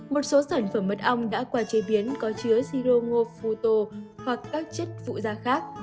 một số sản phẩm mật ong đã qua chế biến có chứa si rô ngô phu tô hoặc các chất phụ da khác